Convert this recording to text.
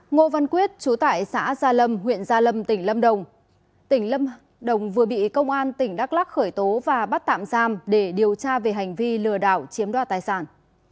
ngô văn quyết chú tại xã gia lâm huyện gia lâm tỉnh lâm đồng tỉnh lâm đồng vừa bị công an tỉnh đắk lắc khởi tố và bắt tạm giam để điều tra về hành vi lừa đảo chiếm đoạt tài sản